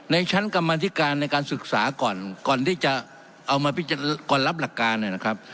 ชั้นกรรมธิการในการศึกษาก่อนก่อนที่จะเอามาพิจารณาก่อนรับหลักการนะครับ